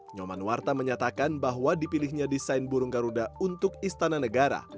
nyoman warta menyatakan bahwa dipilihnya desain burung garuda untuk istana negara